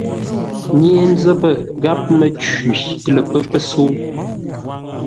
Nye-nzəpə gháp Mə́cwi lə pə́ pəsə̌u.